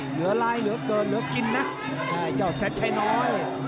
เหลือร้ายเหลือเกินเหลือกินนะไอ้เจ้าแสนชัยน้อย